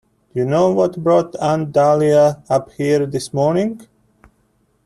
Do you know what brought Aunt Dahlia up here this morning?